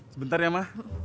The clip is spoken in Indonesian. sebentar ya ma